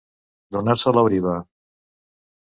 Donar-se a la briva.